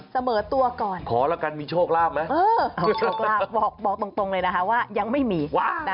สมัยเยี่ยมเยียบ